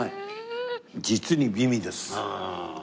実に美味です。